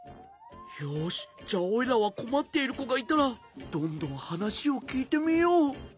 よしじゃあおいらはこまっているこがいたらどんどんはなしをきいてみよう。